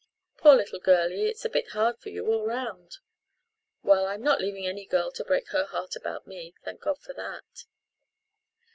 Poor little girlie, it's a bit hard for you all round. Well, I'm not leaving any girl to break her heart about me thank God for that."